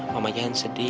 mama jangan sedih